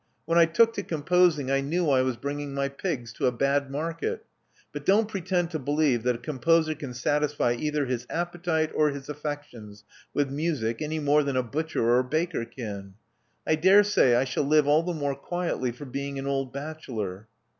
When I took to composing, I knew I was bringing my pigs to a bad market. But don't pretend to believe that a composer can satisfy either his appetite or his affections with music any more than a butcher or a baker can. I dare say I shall live all the more quietly for being an old bachelor."